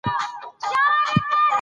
د ظالم بخښل د مظلومانو سره ظلم دئ.